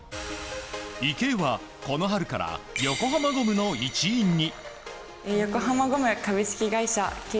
池江は、この春から横浜ゴムの一員に。